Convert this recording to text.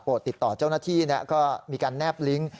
ติดต่อเจ้าหน้าที่ก็มีการแนบลิงก์